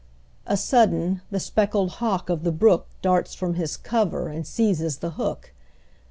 A sudden, the speckled hawk of the brook Darts from his cover and seizes the hook.